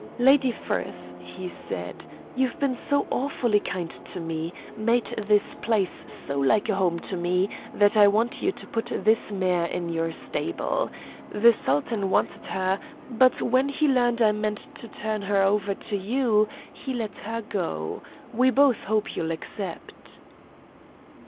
"Lady Firth," he said, "you've been so awfully kind to me, made this place so like a home to me, that I want you to put this mare in your stable. The Sultan wanted her, but when he learned I meant to turn her over to you, he let her go. We both hope you'll accept."